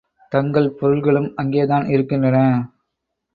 தங்கள் பொருள்களும் அங்கேதான் இருக்கின்றன.